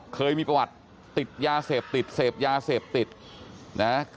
เคยมีประวัติติดยาเสพติดเสพยาเสพติดนะ